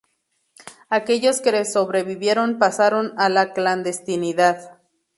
Aquellos que sobrevivieron pasaron a la clandestinidad.